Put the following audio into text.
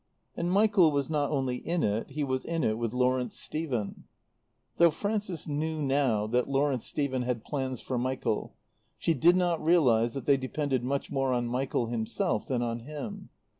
And Michael was not only in it, he was in it with Lawrence Stephen. Though Frances knew now that Lawrence Stephen had plans for Michael, she did not realize that they depended much more on Michael himself than on him.